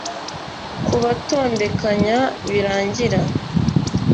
kubatondekanya birangira